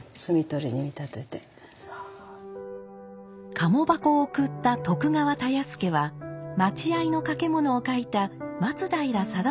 鴨箱を贈った徳川田安家は待合の掛物を書いた松平定信の実家。